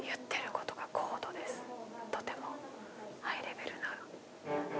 とてもハイレベルな。